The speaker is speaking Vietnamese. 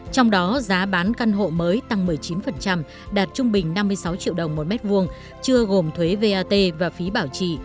trong đó giá bán căn hộ mới tăng một mươi chín đạt trung bình năm mươi sáu triệu đồng một mét vuông chưa gồm thuế vat và phí bảo trì